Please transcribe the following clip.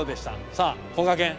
さあこがけん。